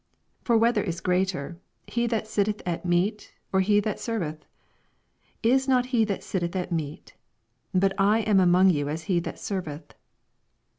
27 For whether is greater, he that sitteth at meat, or he that servetht is not he that sitteth at meat f bat I am among you as he that serveth.